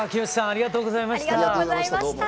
ありがとうございましたどうも。